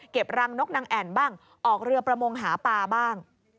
รังนกนางแอ่นบ้างออกเรือประมงหาปลาบ้าง